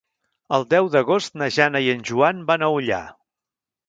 El deu d'agost na Jana i en Joan van a Ullà.